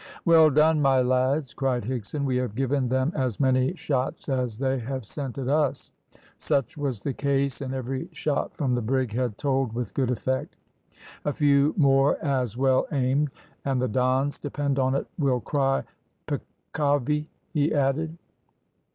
"Well done, my lads," cried Higson, "we have given them as many shots as they have sent at us." Such was the case, and every shot from the brig had told with good effect. "A few more as well aimed, and the Dons, depend on it, will cry, `peccavi,'" he added.